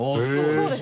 そうです